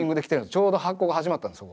ちょうど発酵が始まったんです。